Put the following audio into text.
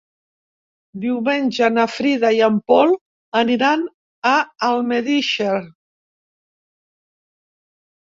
Diumenge na Frida i en Pol aniran a Almedíxer.